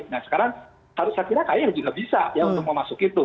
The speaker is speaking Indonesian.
nah sekarang harusnya kira kaye yang juga bisa ya untuk memasuki itu